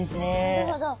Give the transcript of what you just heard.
なるほど。